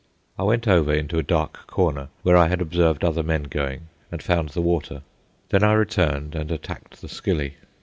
I went over into a dark corner where I had observed other men going and found the water. Then I returned and attacked the skilly.